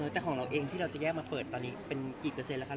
แต่ของเราเองที่เราจะแยกมาเปิดตอนนี้เป็นกี่เปอร์เซ็นแล้วครับ